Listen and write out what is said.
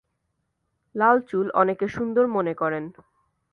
লাল চুল অনেকে সুন্দর মনে করেন।